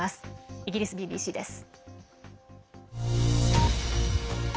イギリスＢＢＣです。